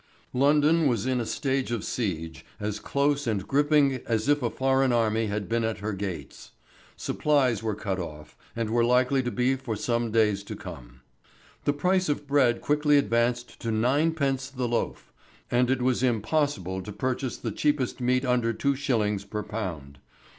London was in a state of siege as close and gripping as if a foreign army had been at her gates. Supplies were cut off, and were likely to be for some days to come. The price of bread quickly advanced to ninepence the loaf, and it was impossible to purchase the cheapest meat under two shillings per pound.